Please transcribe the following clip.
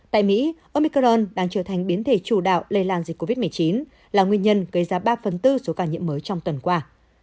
tại mỹ omicron đang trở thành biến thể chủ đạo lây lan dịch covid một mươi chín là nguyên nhân gây ra ba phần tư số ca nhiễm mới trong tuần qua